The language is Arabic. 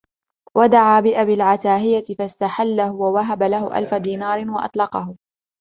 وَدَعَا بِأَبِي الْعَتَاهِيَةِ فَاسْتَحَلَّهُ وَوَهَبَ لَهُ أَلْفَ دِينَارٍ وَأَطْلَقَهُ